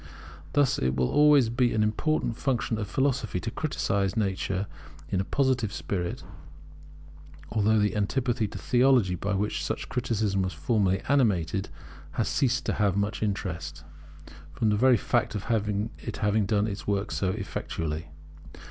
Thus it will always be an important function of philosophy to criticize nature in a Positive spirit, although the antipathy to theology by which such criticism was formerly animated has ceased to have much interest, from the very fact of having done its work so effectually.